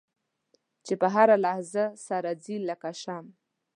چې په هره لحظه سر ځي لکه شمع.